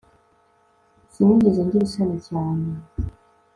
Sinigeze ngira isoni cyane